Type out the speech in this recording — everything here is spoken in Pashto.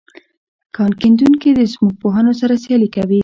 کان کیندونکي د ځمکپوهانو سره سیالي کوي